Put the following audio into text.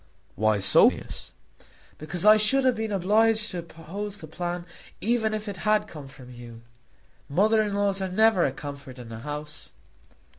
"Why so, Phineas?" "Because I should have been obliged to oppose the plan even if it had come from you. Mothers in law are never a comfort in a house."